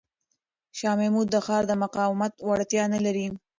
شاه محمود د ښار د مقاومت وړتیا نه لري.